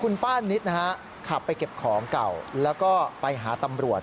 คุณป้านิดนะฮะขับไปเก็บของเก่าแล้วก็ไปหาตำรวจ